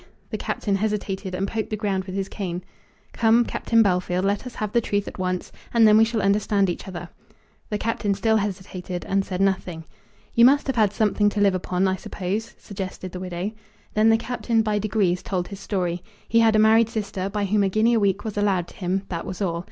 The Captain hesitated, and poked the ground with his cane. "Come, Captain Bellfield, let us have the truth at once, and then we shall understand each other." The Captain still hesitated, and said nothing. "You must have had something to live upon, I suppose?" suggested the widow. Then the Captain, by degrees, told his story. He had a married sister by whom a guinea a week was allowed to him. That was all.